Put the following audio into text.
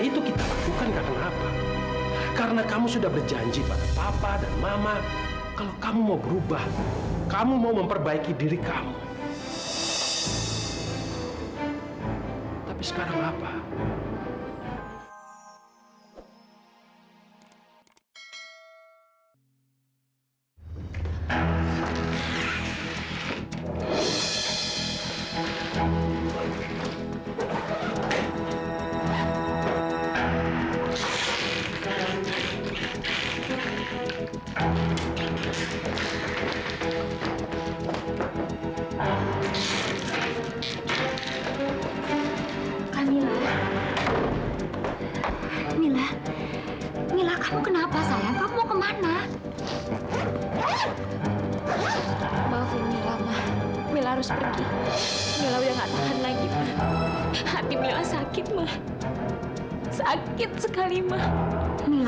tapi kamilah udah gak tahan